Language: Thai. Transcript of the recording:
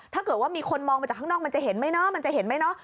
ถ้าเกิดว่ามีคนมองมาจากข้างนอกมันจะเห็นไหมเนาะมันจะเห็นไหมเนอะ